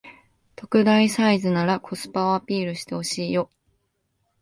特大サイズならコスパをアピールしてほしいよ